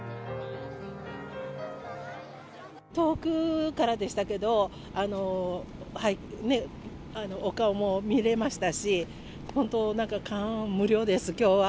遠くからでしたけど、お顔も見れましたし、本当、なんか感無量です、きょうは。